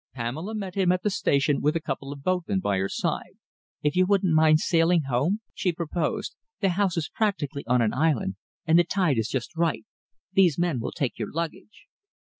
Pamela met him at the station with a couple of boatmen by her side. "If you wouldn't mind sailing home?" she proposed. "The house is practically on an island, and the tide is just right. These men will take your luggage."